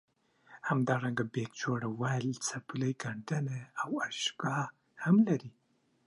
همدارنګه بیک جوړول څپلۍ ګنډنه او ارایشګاه هم لري.